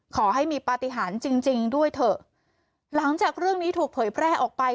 ขอให้มีปฏิหารจริงจริงด้วยเถอะหลังจากเรื่องนี้ถูกเผยแพร่ออกไป